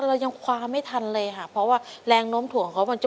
เลยต้องเราดูแลตลอด